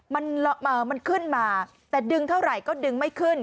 มันขึ้นมาแต่ดึงเท่าไหร่ก็ดึงไม่ขึ้น